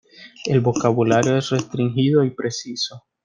El vocabulario es restringido y preciso.